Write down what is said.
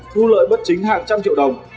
thu lợi bất chính hàng trăm triệu đồng